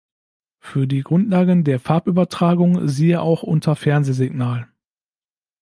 Für die Grundlagen der Farbübertragung siehe auch unter Fernsehsignal.